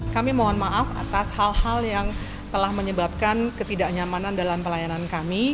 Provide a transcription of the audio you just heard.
kami mohon maaf atas hal hal yang telah menyebabkan ketidaknyamanan dalam pelayanan kami